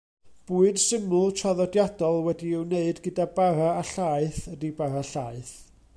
Bwyd syml, traddodiadol wedi'i wneud gyda bara a llaeth ydy bara llaeth.